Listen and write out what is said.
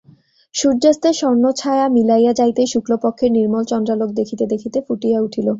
সূর্যাস্তের স্বর্ণচ্ছায়া মিলাইয়া যাইতেই শুক্লপক্ষের নির্মল চন্দ্রালোক দেখিতে দেখিতে ফুটিয়া উঠিল।